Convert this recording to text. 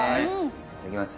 いただきます。